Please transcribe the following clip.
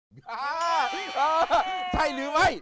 อ๊าาาาาใช่หรือไม่